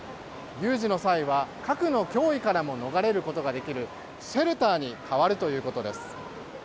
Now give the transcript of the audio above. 有事の際は核の脅威からも逃れることができるシェルターに変わるということです。